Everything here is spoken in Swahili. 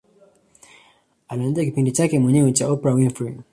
Alianzisha kipindi chake mwenyewe cha Oprah Winfrey